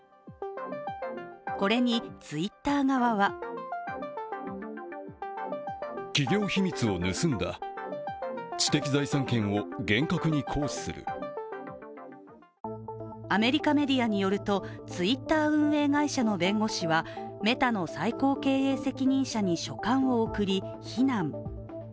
これに、Ｔｗｉｔｔｅｒ側はアメリカメディアによると、Ｔｗｉｔｔｅｒ運営会社の弁護士はメタの最高経営責任者に書簡を送り非難。